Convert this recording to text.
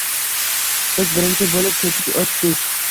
Biz birinchi bo'lib ko'chib o'tdik.